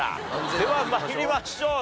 では参りましょう。